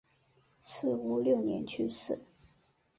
赤乌六年去世。